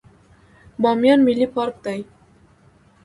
بامیان ملي پارک دی